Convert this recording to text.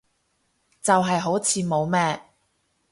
就係好似冇咩